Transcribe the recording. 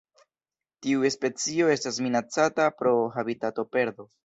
Tiu specio estas minacata pro habitatoperdo.